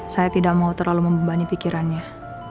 saya tidak mau terlalu membebani pikirannya